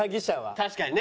確かにね。